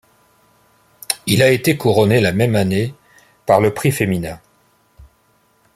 Il a été couronné la même année par le Prix Femina.